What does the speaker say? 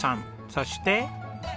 そして。